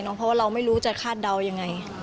เพราะว่าเราไม่รู้จะคาดเดายังไง